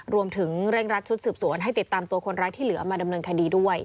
รวมถึงเร่งรัดชุดสืบสวนให้ติดตามตัวคนร้ายที่เหลือมาดำเนินคดีด้วย